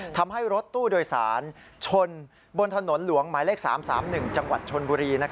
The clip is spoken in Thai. ทำให้รถตู้โดยสารชนบนถนนหลวงหมายเลข๓๓๑จังหวัดชนบุรี